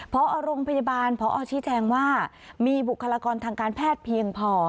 พอโรงพยาบาลพอชี้แจงว่ามีบุคลากรทางการแพทย์เพียงพอ